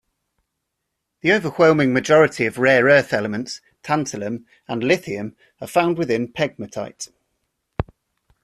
The overwhelming majority of rare earth elements, tantalum, and lithium are found within pegmatite.